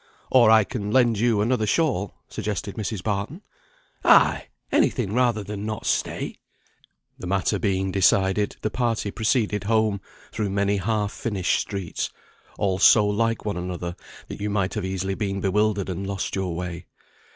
"Or I can lend you another shawl," suggested Mrs. Barton. "Ay, any thing rather than not stay." The matter being decided, the party proceeded home, through many half finished streets, all so like one another that you might have easily been bewildered and lost your way.